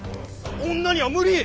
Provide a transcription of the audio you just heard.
女には無理！